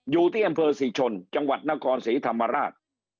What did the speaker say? อยู่ที่อำเภอศรีชนจังหวัดนครศรีธรรมราช